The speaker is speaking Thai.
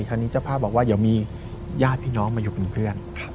คราวนี้เจ้าภาพบอกว่าเดี๋ยวมีญาติพี่น้องมาอยู่เป็นเพื่อน